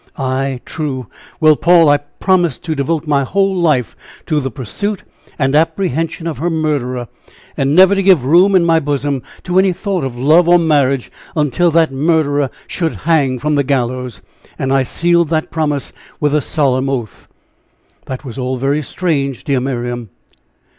"Ay, true! Well, Paul, I promised to devote my whole life to the pursuit and apprehension of her murderer; and never to give room in my bosom to any thought of love or marriage until that murderer should hang from n gallows; and I sealed that promise with a solemn oath." "That was all very strange, dear Miriam."